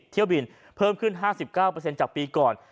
๑๔๒๒๐เที่ยวบินเพิ่มขึ้น๕๙เปอร์เซ็นต์จากปีก่อน